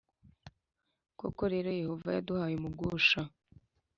Koko rero Yehova yaduhaye umugusha